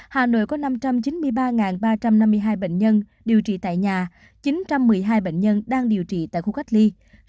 hà nội có năm trăm chín mươi ba ba trăm năm mươi hai bệnh nhân điều trị tại nhà chín trăm một mươi hai bệnh nhân đang điều trị tại khu cách ly